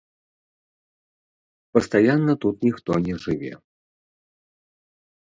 Пастаянна тут ніхто не жыве.